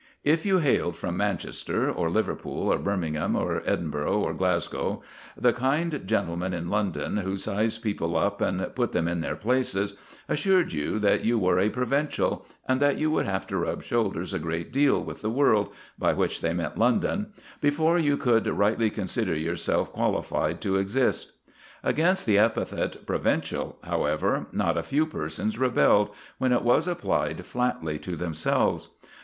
If you hailed from Manchester, or Liverpool, or Birmingham, or Edinburgh, or Glasgow, the kind gentlemen in London who size people up and put them in their places assured you that you were a provincial, and that you would have to rub shoulders a great deal with the world by which they meant London before you could rightly consider yourself qualified to exist. Against the epithet "provincial," however, not a few persons rebelled, when it was applied flatly to themselves.